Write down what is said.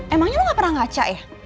emangnya lu gak pernah ngaca ya